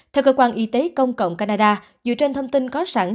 theo cơ quan y tế công cộng canada dựa trên thông tin có sản xuất